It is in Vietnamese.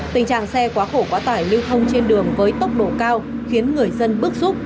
tình trạng xe quá khổ quá tải lưu thông trên đường với tốc độ cao khiến người dân bức xúc